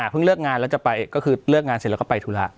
เลิกงานแล้วจะไปก็คือเลิกงานเสร็จแล้วก็ไปธุระ